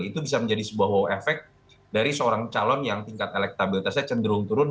itu bisa menjadi sebuah efek dari seorang calon yang tingkat elektabilitasnya cenderung turun